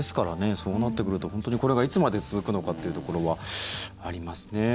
そうなってくるとこれが本当にいつまで続くのかっていうところはありますね。